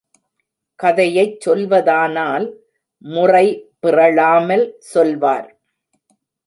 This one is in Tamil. கதையைச் சொல்வதானால் முறை பிறழாமல் சொல்வார்.